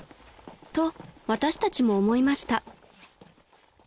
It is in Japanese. ［と私たちも思いました］